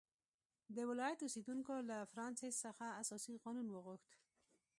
د ولایت اوسېدونکو له فرانسیس څخه اساسي قانون وغوښت.